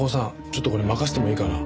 ちょっとこれ任せてもいいかな？